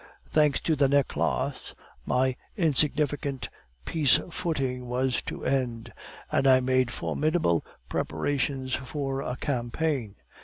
Thanks to the 'Necklace,' my insignificant peace footing was to end, and I made formidable preparations for a campaign.